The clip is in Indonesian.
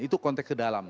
itu konteks ke dalam